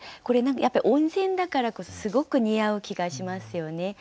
これやっぱり温泉だからこそすごく似合う気がしますよね。